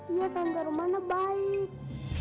iya tante rumana baik